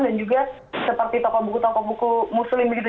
dan juga seperti tokoh buku tokoh buku muslim begitu